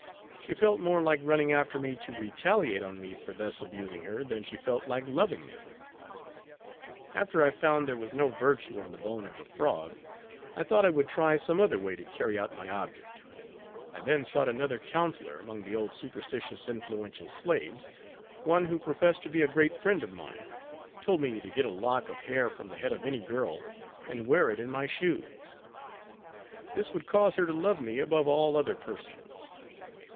She felt more like running after me to retaliate on me for thus abusing her, than she felt like loving me. After I found there was no virtue in the bone of a frog, I thought I would try some other way to carry out my object. I then sought another counsellor among the old superstitious influential slaves; one who professed to be a great friend of mine, told me to get a lock of hair from the head of any girl, and wear it in my shoes: this would cause her to love me above all other persons.